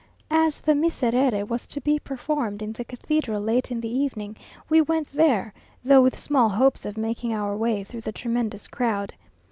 As the Miserere was to be performed in the cathedral late in the evening, we went there, though with small hopes of making our way through the tremendous crowd.